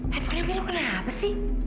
handphone nya lu kenapa sih